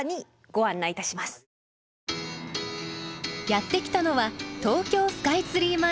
やって来たのは東京スカイツリー前。